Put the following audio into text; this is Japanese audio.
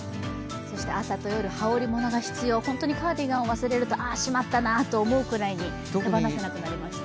朝と夜、羽織り物が必要、本当にカーディガンを忘れると、ああしまったなと思うくらいに手放せなくなりました。